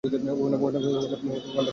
Wanda, তোমার সন্তানরা বাস্তব না।